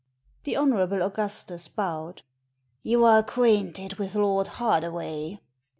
The Hon. Augustus bowed. "You are acquainted with Lord Hardaway?"